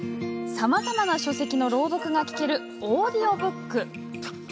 さまざまな書籍の朗読が聞けるオーディオブック。